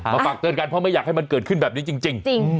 ฝากเตือนกันเพราะไม่อยากให้มันเกิดขึ้นแบบนี้จริง